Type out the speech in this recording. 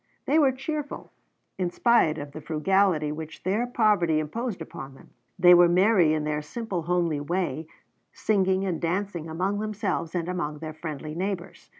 They were cheerful, in spite of the frugality which their poverty imposed upon them; and were merry in their simple homely way, singing and dancing among themselves and among their friendly neighbors.